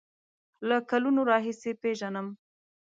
له کلونو راهیسې پیژنم.